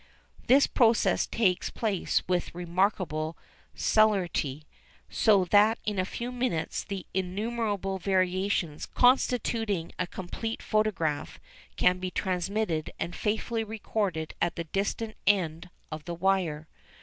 This process takes place with remarkable celerity, so that in a few minutes the innumerable variations constituting a complete photograph can be transmitted and faithfully recorded at the distant end of the wire.